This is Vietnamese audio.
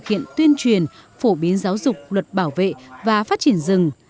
các quy định tuyên truyền phổ biến giáo dục luật bảo vệ và phát triển rừng